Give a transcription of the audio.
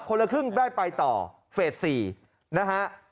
คนละครึ่งได้ไปต่อเฟส๔นะฮะ